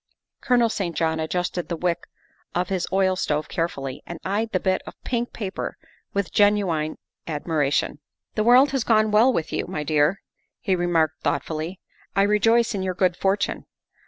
Colonel St. John adjusted the wick of his oil stove carefully and eyed the bit of pink paper with genuine admiration. '' The world has gone well with you, my dear, '' he re marked thoughtfully. " I rejoice in your good fortune.